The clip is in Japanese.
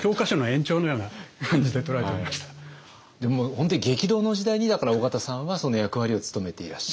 本当に激動の時代にだから緒方さんはその役割を務めていらっしゃった。